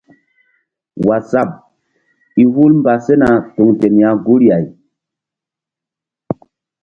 Waazap i hul mba sena tuŋ ten ya guri-ah.